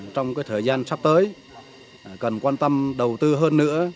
trong thời gian sắp tới cần quan tâm đầu tư hơn nữa